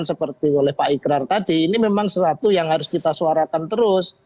seperti oleh pak ikrar tadi ini memang sesuatu yang harus kita suarakan terus